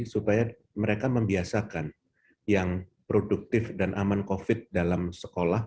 supaya mereka membiasakan yang produktif dan aman covid dalam sekolah